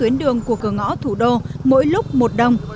tuyến đường của cửa ngõ thủ đô mỗi lúc một đồng